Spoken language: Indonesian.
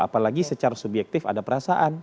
apalagi secara subjektif ada perasaan